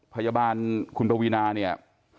พยาบาลคุณปวีนาเนี่ย